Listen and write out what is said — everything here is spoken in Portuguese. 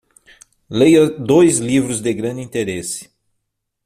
Leia dois livros de grande interesse